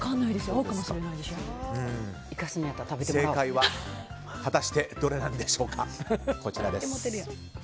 正解は果たしてどれなんでしょうか。